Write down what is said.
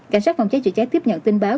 cảnh sát phòng cháy chữa cháy tiếp nhận tin báo